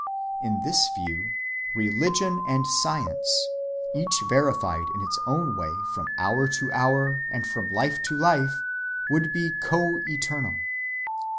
On this view religion and science, each verified in its own way from hour to hour and from life to life, would be co‐eternal.